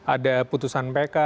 ada putusan pk